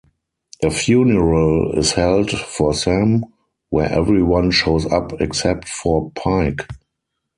A funeral is held for Sam, where everyone shows up except for Pike.